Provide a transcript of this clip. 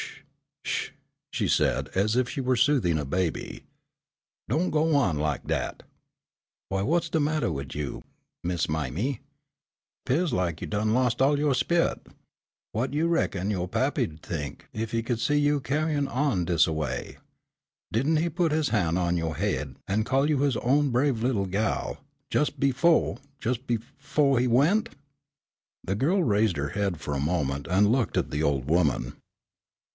"Sh, sh," she said as if she were soothing a baby, "don't go on lak dat. W'y whut's de mattah wid you, Miss Mime? 'Pears lak you done los' all yo' spe'it. Whut you reckon yo' pappy 'u'd t'ink ef he could see you ca'in' on dis away? Didn' he put his han' on yo' haid an' call you his own brave little gal, jes' befo', jes' befo' he went?" The girl raised her head for a moment and looked at the old woman.